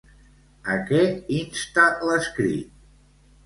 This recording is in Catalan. A què insta l'escrit?